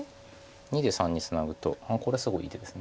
②で③にツナぐとこれすごいいい手です。